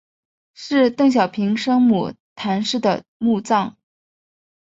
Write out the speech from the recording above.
是邓小平生母谈氏的墓葬。